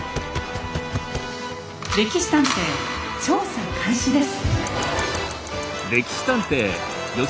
「歴史探偵」調査開始です。